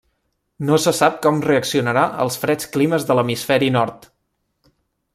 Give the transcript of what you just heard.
No se sap com reaccionarà als freds climes de l'hemisferi nord.